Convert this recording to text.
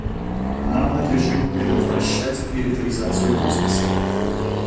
Нам надлежит предотвращать милитаризацию космоса.